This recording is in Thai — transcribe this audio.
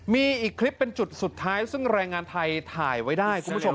มีอีกคลิปเป็นจุดสุดท้ายซึ่งแรงงานไทยถ่ายไว้ได้คุณผู้ชม